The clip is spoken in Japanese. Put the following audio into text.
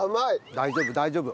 大丈夫大丈夫。